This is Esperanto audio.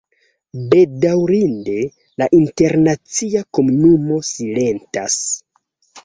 Bedaŭrinde, la internacia komunumo silentas.